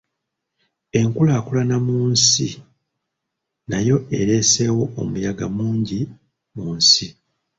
Enkulaakulana mu nsi nayo ereeseewo omuyaga mungi mu nsi